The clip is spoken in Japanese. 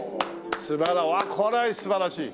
うわっこれは素晴らしい。